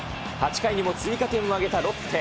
８回にも追加点を挙げたロッテ。